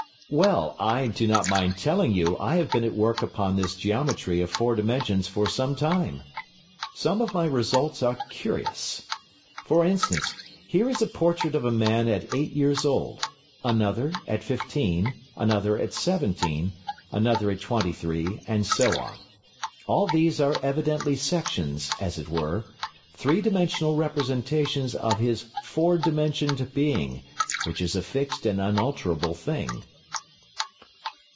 "Well, I do not mind telling you I have been at work upon this geometry of Four Dimensions for some time. Some of my results are curious. For instance, here is a portrait of a man at eight years old, another at fifteen, another at seventeen, another at twenty three, and so on. All these are evidently sections, as it were, Three Dimensional representations of his Four Dimensioned being, which is a fixed and unalterable thing.